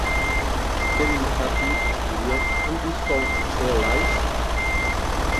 Kevin McCarthy escribió "¿han visto "True Lies"?